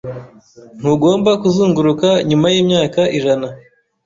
Ntugomba kuzunguruka nyuma yimyaka ijana